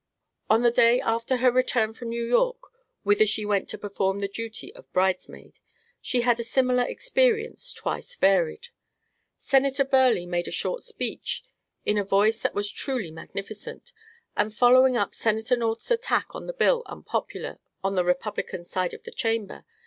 On the day after her return from New York, whither she went to perform the duty of bridesmaid; she had a similar experience, twice varied. Senator Burleigh made a short speech in a voice that was truly magnificent, and following up Senator North's attack on the bill unpopular on the Republican side of the Chamber.